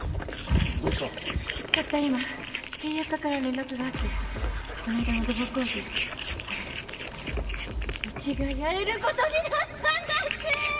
たった今契約課から連絡があってこの間の土木工事あれうちがやれることになったんだって！